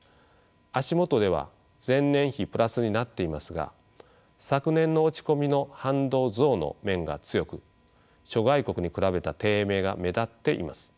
足元では前年比プラスになっていますが昨年の落ち込みの反動増の面が強く諸外国に比べた低迷が目立っています。